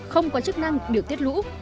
không có chức năng được tiết lũ